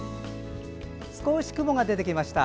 少し雲が出てきました。